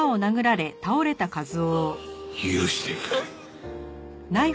一雄許してくれ。